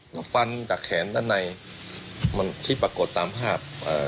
แล้วฟันจากแขนด้านในมันที่ปรากฏตามภาพอ่า